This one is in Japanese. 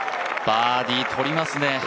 バーディーとりますね